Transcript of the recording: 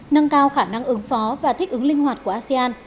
nâng cao khả năng ứng phó và thích ứng linh hoạt của asean